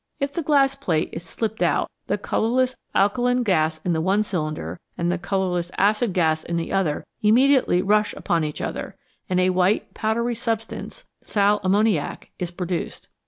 If the glass plate is slipped out, the colourless alkaline gas in the one cylinder and the colourless acid gas in the other immediately rush upon each other, and a white, powdery substance, sal ammoniac, is produced.